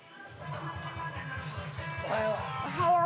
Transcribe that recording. おはよう。